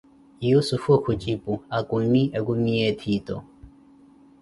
Yussufu khujipu: akumi, ekumi ya ettiito.